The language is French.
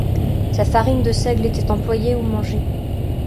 Sa farine de seigle était employée ou mangée.